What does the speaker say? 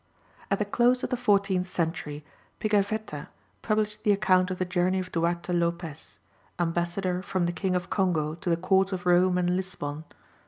At the close of the fourteenth century Pigafetta published the account of the journey of Duarte Lopez, ambassador from the King of Congo to the Courts of Rome and Lisbon.